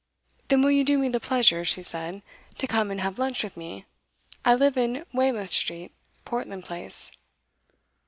"Then will you do me the pleasure," she said, "to come and have lunch with me? I live in Weymouth Street, Portland Place."